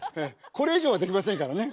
これ以上はできませんからね。